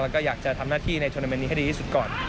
เราก็อยากจะทำหน้าที่ในชนมันนี้ให้ดีที่สุดก่อน